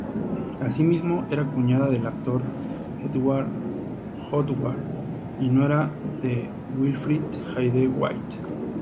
Asimismo, era cuñada del actor Edward Woodward y nuera de Wilfrid Hyde-White.